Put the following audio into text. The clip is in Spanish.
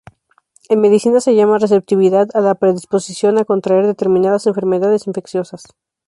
En Medicina se llama receptividad a la predisposición a contraer determinadas enfermedades infecciosas.